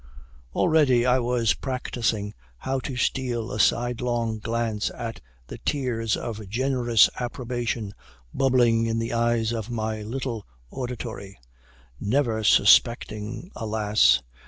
Already I was practising how to steal a sidelong glance at the tears of generous approbation bubbling in the eyes of my little auditory, never suspecting, alas!